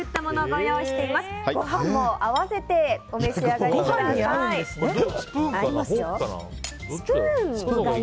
ご飯を合わせてお召し上がりください。